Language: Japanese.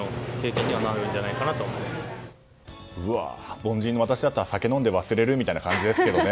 凡人の私だったら酒飲んで忘れるというところですけどね。